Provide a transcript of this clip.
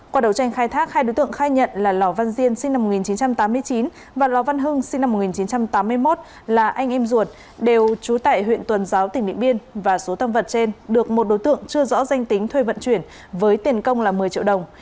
qua đầu tranh khai thác hai đối tượng khai nhận là lò văn diên sinh năm một nghìn chín trăm tám mươi chín và lò văn hưng sinh năm một nghìn chín trăm tám mươi một là anh em ruột đều trú tại huyện tuần giáo tỉnh điện biên và số tâm vật trên được một đối tượng chưa rõ danh tính thuê vận chuyển với tiền công là một mươi triệu đồng